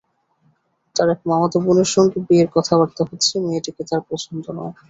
তার এক মামাতো বোনের সঙ্গে বিয়ের কথাবার্তা হচ্ছে মেয়েটিকে তার পছন্দ নয়।